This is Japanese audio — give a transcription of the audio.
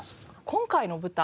今回の舞台